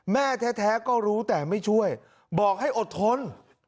แม่แท้ก็รู้แต่ไม่ช่วยบอกให้อดทน